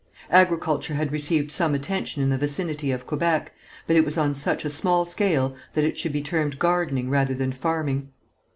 Agriculture had received some attention in the vicinity of Quebec, but it was on such a small scale that it should be termed gardening rather than farming.